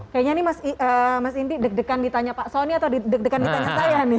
kayaknya ini mas indi deg degan ditanya pak sony atau deg degan ditanya saya nih